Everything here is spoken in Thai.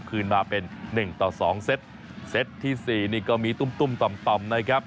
สวัสดีครับ